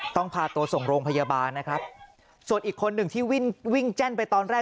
พาตัวส่งโรงพยาบาลนะครับส่วนอีกคนหนึ่งที่วิ่งวิ่งแจ้นไปตอนแรก